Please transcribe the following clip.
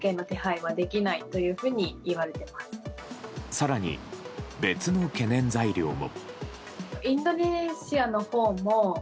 更に、別の懸念材料も。